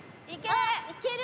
ああっいける！